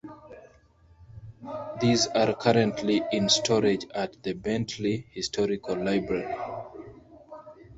These are currently in storage at the Bentley Historical Library.